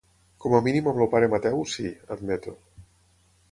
Com a mínim amb el pare Mateu, sí —admeto—.